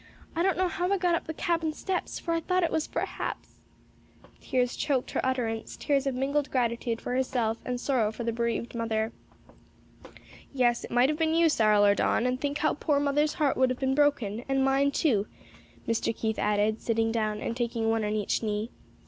I don't know how I got up the cabin steps! for I thought it was perhaps " Tears choked her utterance; tears of mingled gratitude for herself and sorrow for the bereaved mother. "Yes, it might have been you, Cyril or Don; and think how poor mother's heart would have been broken, and mine too," Mr. Keith added, sitting down and taking one on each knee.